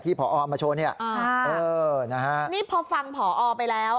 ที่พอออมาโชว์เนี่ยนี่พอฟังพอออไปแล้ว